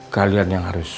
kalian yang harus